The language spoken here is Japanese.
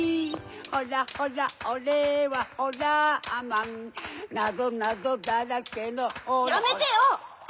ほらほらおれはホラーマンなぞなぞだらけのやめてよ！